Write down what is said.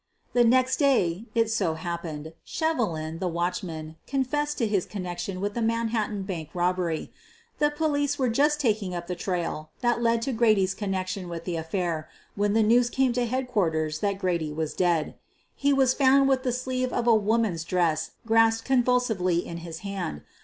The next day, it so happened, Shevelin, the watch man, confessed to his connection with the Manhattan Bank robbery. The police were just taking up the trail that led to Grady's connection with the affair when the news came to headquarters that Grady was dead. He was found with the sleeve of a woman's dress grasped convulsively in his hand.